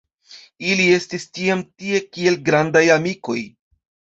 Ili estis tiam tie kiel grandaj amikoj.